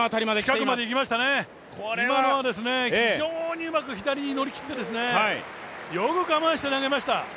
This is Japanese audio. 近くまでいきましたね、今のは非常にうまく左に乗り切ってよく我慢して投げました。